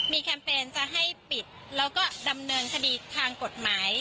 มีแคมเปญจะให้ปิดแล้วก็ดำเนินคดีทางกฎหมาย